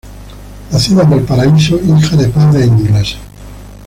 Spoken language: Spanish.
Nacida en Valparaíso, hija de padres ingleses.